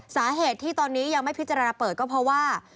สาเหตุที่ตอนนี้ยังไม่พิจารณาเปิดก็เพราะว่า